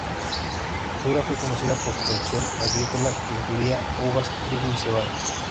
Sura fue conocida por su producción agrícola, que incluía uvas, trigo y cebada.